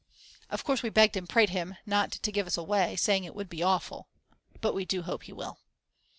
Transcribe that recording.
Of course we begged and prayed him not to give us away, saying it would be awful. But we do hope he will.